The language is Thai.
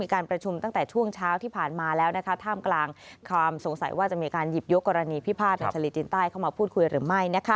การประชุมตั้งแต่ช่วงเช้าที่ผ่านมาแล้วท่ามกลางความสงสัยว่าจะมีการหยิบยกกรณีพิพาทในทะเลจีนใต้เข้ามาพูดคุยหรือไม่